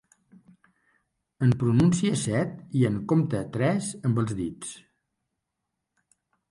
En pronúncia set i en compte tres amb els dits.